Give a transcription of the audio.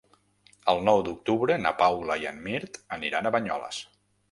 El nou d'octubre na Paula i en Mirt aniran a Banyoles.